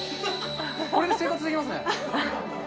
これで生活できますね。